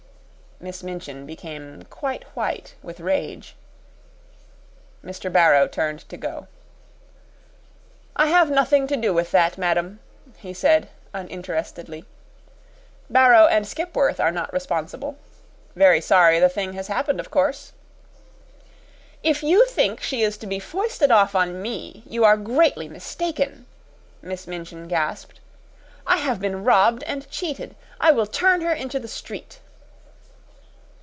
Miss Minchin became quite white with rage. Mr. Barrow turned to go. "I have nothing to do with that, madam," he said uninterestedly. "Barrow & Skipworth are not responsible. Very sorry the thing has happened, of course." "If you think she is to be foisted off on me, you are greatly mistaken," Miss Minchin gasped. "I have been robbed and cheated; I will turn her into the street!"